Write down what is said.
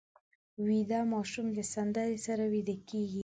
ویده ماشوم د سندرې سره ویده کېږي